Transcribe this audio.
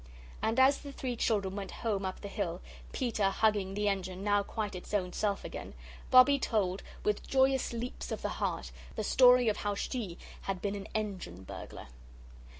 And as the three children went home up the hill, Peter hugging the engine, now quite its own self again, Bobbie told, with joyous leaps of the heart, the story of how she had been an Engine burglar.